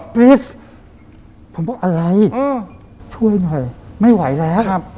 ผมบอกจะช่วยหน่อยไม่ไหวแล้ว